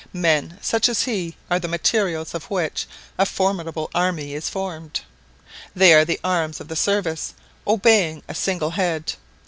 Men such as he are the materials of which a formidable army is formed. They are the arms of the service, obeying a single head.